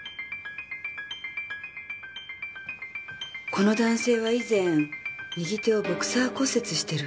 この男性は以前右手をボクサー骨折してる。